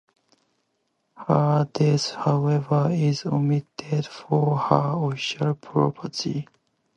Her death, however, is omitted from her official biography.